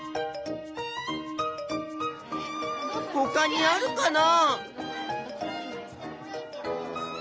ほかにあるかな？